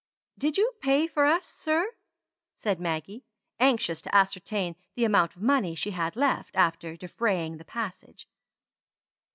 "Did you pay for us, sir?" said Maggie, anxious to ascertain the amount of money she had left, after defraying the passage.